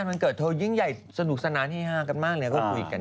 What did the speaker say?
ห้องเปลี่ยนเสื้อผ้านน้องกับก้าวก็เดินออกมา